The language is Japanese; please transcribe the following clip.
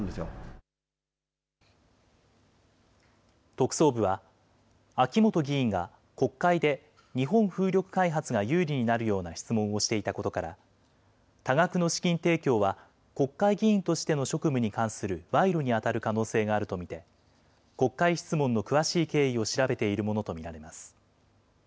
特捜部は、秋本議員が国会で日本風力開発が有利になるような質問をしていたことから、多額の資金提供は、国会議員としての職務に関する賄賂に当たる可能性があると見て、国会質問の詳しい経緯を調べているものと見られます。